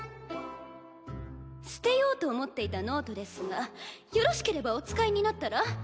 捨てようと思っていたノートですがよろしければお使いになったら？